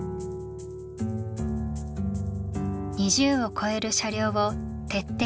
２０を超える車両を徹底的に比較。